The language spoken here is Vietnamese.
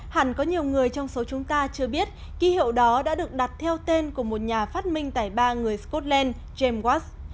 hẳn có nhiều người trong số chúng ta chưa biết ký hiệu đó đã được đặt theo tên của một nhà phát minh tải ba người scotland james watch